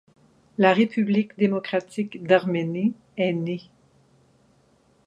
La République démocratique d'Arménie est née.